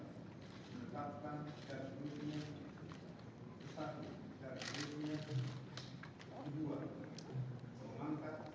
kepala badan intelijen negara kepala badan intelijen negara